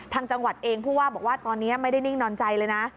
จังหวัดเองผู้ว่าบอกว่าตอนนี้ไม่ได้นิ่งนอนใจเลยนะ